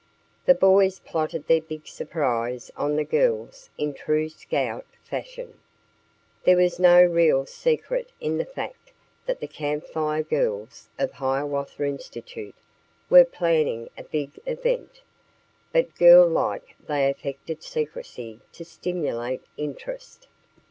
The boys plotted their big surprise on the girls in true scout fashion. There was no real secret in the fact that the Camp Fire Girls of Hiawatha Institute were planning a big event, but girl like they affected secrecy to stimulate interest.